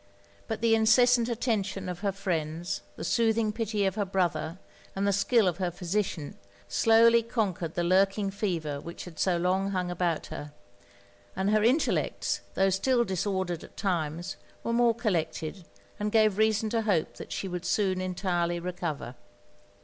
But the incessant attention of her friends, the soothing pity of her brother, and the skill of her physician, slowly conquered the lurking fever which had so long hung about her; and her intellects, tho' still disordered at times, were more collected, and gave reason to hope that she would soon entirely recover.